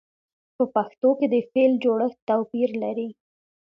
په پښتو کې د فعل جوړښت توپیر لري.